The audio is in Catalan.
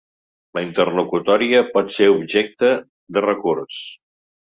La interlocutòria pot ser objecte de recurs.